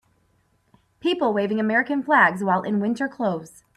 People waving American flags while in winter clothes.